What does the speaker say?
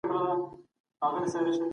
ټکنالوژي د ژبو په زده کړه کي وخت سپموي.